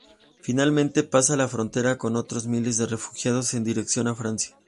Finalmente, pasa la frontera con otros miles de refugiados en dirección a Francia.